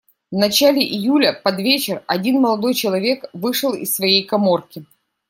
В начале июля, под вечер, один молодой человек вышел из своей каморки.